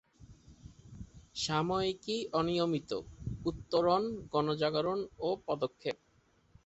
সাময়িকী অনিয়মিত: উত্তরণ, গণজাগরণ ও পদক্ষেপ।